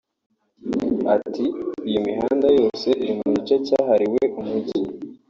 Ati “Iyo mihanda yose iri mu gice cyahariwe umujyi